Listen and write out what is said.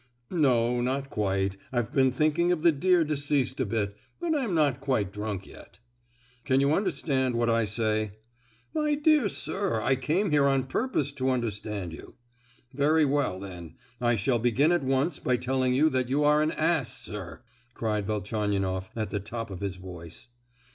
"No, not quite. I've been thinking of the dear deceased a bit, but I'm not quite drunk yet." "Can you understand what I say?" "My dear sir, I came here on purpose to understand you." "Very well, then I shall begin at once by telling you that you are an ass, sir!" cried Velchaninoff, at the top of his voice.